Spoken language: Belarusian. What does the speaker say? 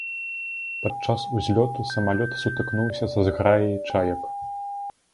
Падчас узлёту самалёт сутыкнуўся са зграяй чаек.